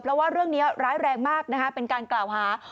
เพราะว่าเรื่องนี้ร้ายแรงมากนะคะเป็นการกล่าวหา